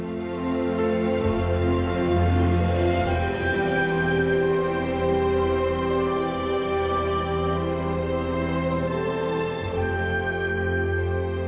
โปรดติดตามตอนต่อไป